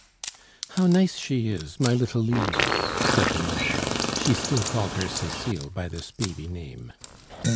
"How nice she is, my little Lili!" said the mother. She still called her Cecile by this baby name.